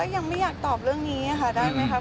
ยังไม่อยากตอบเรื่องนี้ค่ะได้ไหมครับ